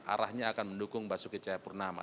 arahnya akan mendukung basuki cahayapurnama